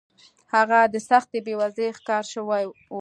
هغه د سختې بېوزلۍ ښکار شوی و